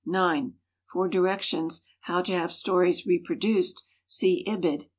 For directions "How to Have Stories Reproduced," see Ibid, pp.